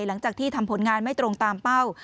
หลังจากที่ทำผลงานไม่ตรงตามเป้า